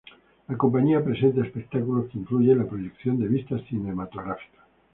La compañía presenta espectáculos que incluyen la proyección de vistas cinematográficas.